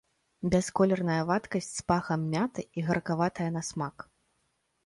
Бясколерная вадкасць з пахам мяты і гаркаватая на смак.